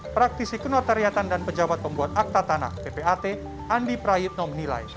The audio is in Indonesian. praktisi kenotariatan dan pejabat pembuat akta tanah ppat andi prayitno menilai